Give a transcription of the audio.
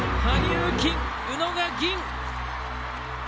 羽生金宇野が銀！